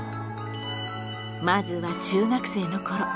まずは「中学生」の頃。